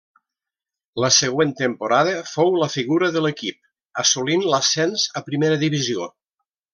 La següent temporada fou la figura de l'equip, assolint l'ascens a primera divisió.